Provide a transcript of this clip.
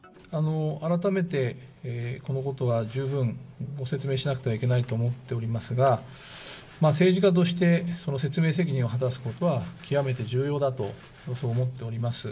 改めてこのことは十分ご説明しなくてはいけないと思っておりますが、政治家として、説明責任を果たすことは、極めて重要だと思っております。